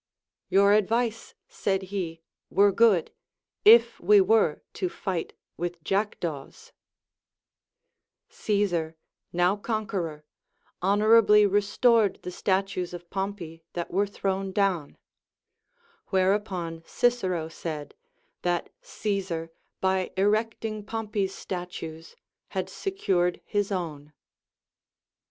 Your advice, said he, were good, if we \vere to fight with jack daws, Caesar, now conqueror, honorably restored the statues of Pompey that were thrown down ; Avhereupon Cicero said, that Caesar by erecting Pompey's statues had secured his own.